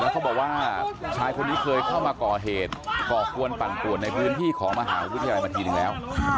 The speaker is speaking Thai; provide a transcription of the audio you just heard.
เขาบอกว่าชายคนนี้เคยเข้ามาก่อเหตุก่อกวนปั่นปวดในพื้นที่ของมหาวิทยาลัยมาทีหนึ่งแล้ว